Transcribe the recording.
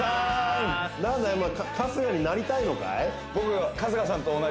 なぜか春日になりたいのかい？